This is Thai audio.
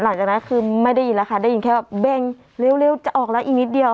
หลังจากนั้นคือไม่ได้ยินแล้วค่ะได้ยินแค่ว่าเบ่งเร็วจะออกแล้วอีกนิดเดียว